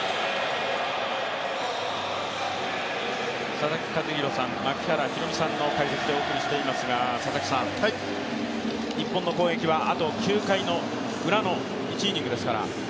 佐々木主浩さん、槙原寛己さんの解説でお送りしていますが佐々木さん、日本の攻撃はあと９回のウラの１イニングですから？